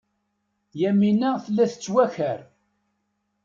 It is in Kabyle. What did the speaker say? Yamina tella tettwakar.